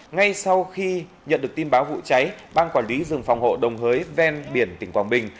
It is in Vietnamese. ngay sau khi nhận được tin báo vụ cháy ban quản lý rừng phòng hộ đồng hới ven biển tỉnh quảng bình